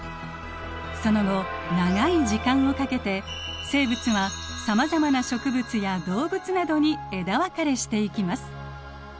その後長い時間をかけて生物はさまざまな植物や動物などに枝分かれしていきます。